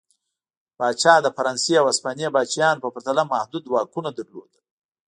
پاچا د فرانسې او هسپانیې پاچاهانو په پرتله محدود واکونه لرل.